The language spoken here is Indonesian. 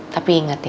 tapi ingat ya